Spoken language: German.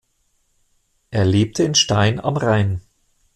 Er lebte in Stein am Rhein.